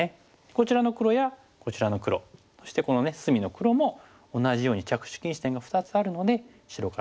こちらの黒やこちらの黒そしてこの隅の黒も同じように着手禁止点が２つあるので白から手出しができない。